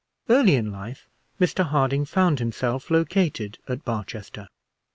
Early in life Mr Harding found himself located at Barchester.